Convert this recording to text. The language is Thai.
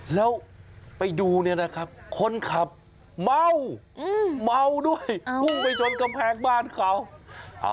แล้วไปดูนะครับคนขับเมาด้วยพุ่งไปชนกำแพงบ้านเขา